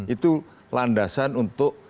itu landasan untuk